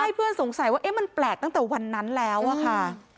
เพื่อนสงสัยว่ามันแปลกตั้งแต่วันนั้นแล้วอะค่ะ